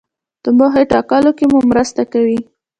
د موخې ټاکلو کې مو مرسته کوي.